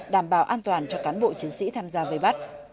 đảm bảo an toàn cho cán bộ chiến sĩ tham gia vây bắt